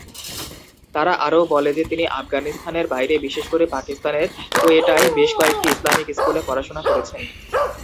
তারা আরও বলে যে তিনি আফগানিস্তানের বাইরে বিশেষ করে পাকিস্তানের কোয়েটায় বেশ কয়েকটি ইসলামিক স্কুলে পড়াশোনা করেছেন।